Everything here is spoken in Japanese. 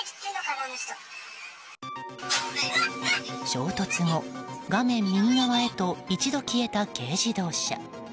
衝突後、画面右側へと一度消えた軽自動車。